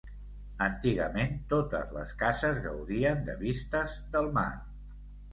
Antigament totes les cases gaudien de vistes del mar.